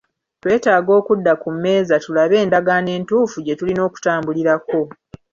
Twetaaga okudda ku mmeeza tulabe endagaano entuufu gye tulina okutambulirako.